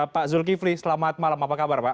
pak zulkifli selamat malam apa kabar pak